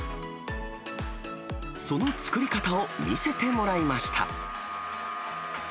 その作り方を見せてもらいました。